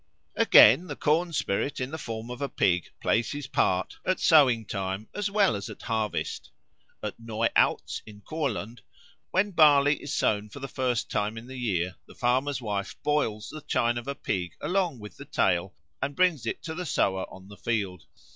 Again, the corn spirit in the form of a pig plays his part at sowing time as well as at harvest. At Neuautz, in Courland, when barley is sown for the first time in the year, the farmer's wife boils the chine of a pig along with the tail, and brings it to the sower on the field.